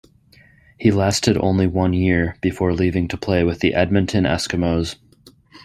He lasted only one year before leaving to play with the Edmonton Eskimos.